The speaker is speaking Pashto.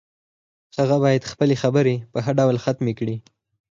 هغه باید خپلې خبرې په ښه ډول ختمې کړي